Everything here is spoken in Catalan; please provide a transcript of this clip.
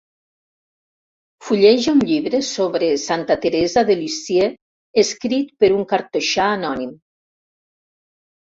Fulleja un llibre sobre santa Teresa de Lisieux escrit per un cartoixà anònim.